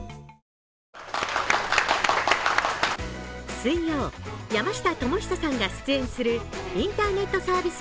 水曜、山下智久さんが出演するインターネットサービス